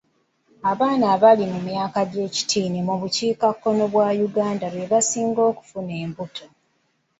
Abaana abali mu myaka gy'ekitiini mu bukiikakkono bwa Uganda be basinga okufuna enbuto.